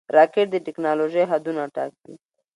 راکټ د ټېکنالوژۍ حدونه ټاکي